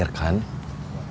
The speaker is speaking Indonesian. ini bukan masalah besar